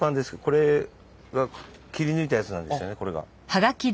これが切り抜いたやつなんですよねこれが。